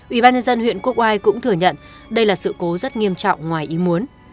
ubnd huyện quốc hoài cũng thừa nhận đây là sự cố rất nghiêm trọng ngoài ý muốn